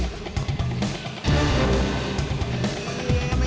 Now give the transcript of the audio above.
tuh tuh tuh keretemah